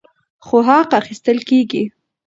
خو حق اخیستل کیږي.